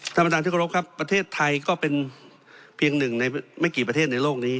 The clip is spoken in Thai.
ท่านประธานที่กรบครับประเทศไทยก็เป็นเพียงหนึ่งในไม่กี่ประเทศในโลกนี้